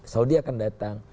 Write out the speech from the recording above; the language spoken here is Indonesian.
saudi akan datang